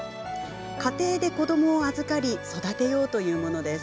家庭で子どもを預かり育てようというものです。